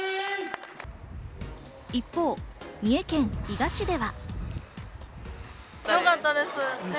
一方、三重県伊賀市では。